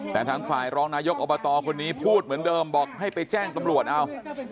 แต่ทางฝ่ายรองนายกอบตคนนี้พูดเหมือนเดิมบอกให้ไปแจ้งตำรวจเอา